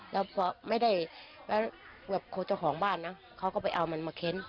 แล้วพอไม่ได้ไปแบบโคเจ้าของบ้านนะเขาก็ไปเอามันมาเค้น